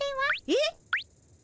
えっ？